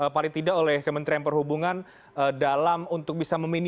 paling tidak oleh kementerian perhubungan dalam untuk bisa memilih